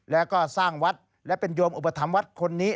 และก็สร้างวัดและเป็นยวมอุปธรรมวัดคนนี้